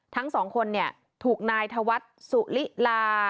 ทั้งสองคนถูกนายถวัดสุฬิลา